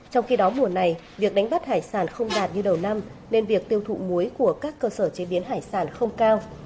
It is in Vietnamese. trong khi đó mùa này việc đánh bắt hải sản không đạt như đầu năm nên việc tiêu thụ muối của các cơ sở chế biến hải sản không cao